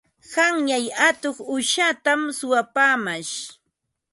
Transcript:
Qanyan atuq uushatam suwapaamash.